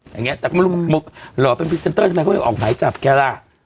อย่างเงี้ยแต่ก็ไม่รู้หล่อเป็นพรีเซนเตอร์ทำไมเขาออกไหนจับแกล่ะ